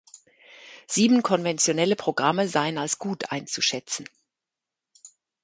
Sieben konventionelle Programme seien als „gut“ einzuschätzen.